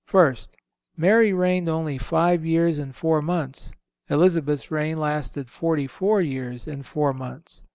First—Mary reigned only five years and four months. Elizabeth's reign lasted forty four years and four months.